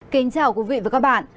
kính chào quý vị và các bạn